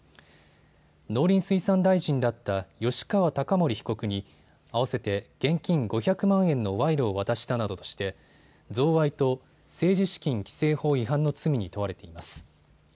農林水産大臣だった吉川貴盛被告に合わせて現金５００万円の賄賂を渡したなどとして贈賄と政治資金規正法違反の罪に問われています。